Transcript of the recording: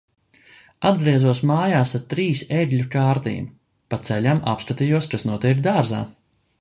Atgriezos mājās ar trīs egļu kārtīm. Pa ceļam apskatījos, kas notiek dārzā.